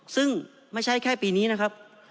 ซึ่งไม่ใช่แค่ปีนี้นะครับ